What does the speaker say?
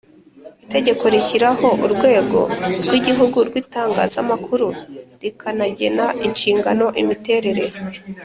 Itegeko rishyiraho Urwego rw Igihugu rw Itangazamakuru rikanagena inshingano imiterere